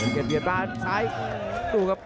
เทียดหยุดบ้านซ้ายสู้ครับ